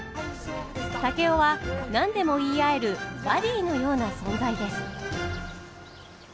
竹雄は何でも言い合えるバディーのような存在です。